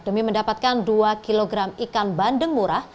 demi mendapatkan dua kg ikan bandeng murah